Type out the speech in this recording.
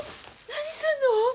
何すんの！？